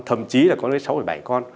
thậm chí là có đến sáu bảy con